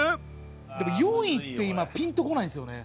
でも４位って今ピンとこないんですよね。